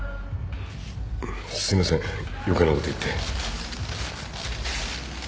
すいません余計なこと言って